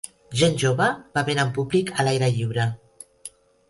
Gent jove bevent en públic a l'aire lliure